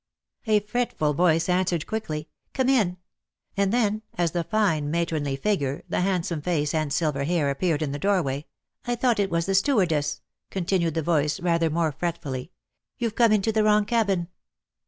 A fretful voice answered quickly, "Come in," and then, as the fine, matronly figure, the hand some face and silver hair, appeared in the doorway, "I thought it was the stewardess," continued the voice, rather more fretfully. "You've come into the wrong cabin."